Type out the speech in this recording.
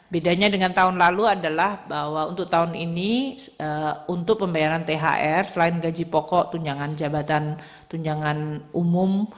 bedanya dengan tahun lalu adalah bahwa untuk tahun ini untuk pembayaran thr selain gaji pokok tunjangan jabatan tunjangan umum